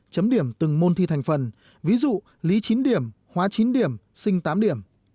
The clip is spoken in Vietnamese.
chấm điểm từng môn thi thành phần ví dụ lý chín điểm hóa chín điểm sinh tám điểm